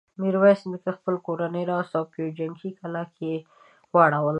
ميرويس نيکه خپله کورنۍ راوسته او په يوه جنګي کلا کې يې واړول.